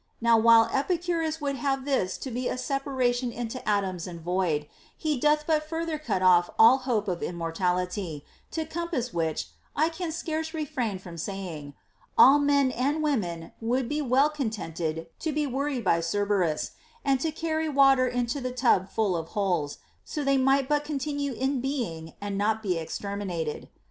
Now, while Epicurus would have this to be a separation into atoms and void, he doth but further cut off all hope of immortality ; to compass which (I can scarce refrain from saying) all men and women would be well contented to be worried by Cerberus, and to carry water into the tub full of holes, so they might but continue in being and not be exterminated.